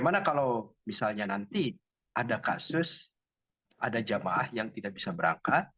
bagaimana kalau misalnya nanti ada kasus ada jemaah yang tidak bisa melunasi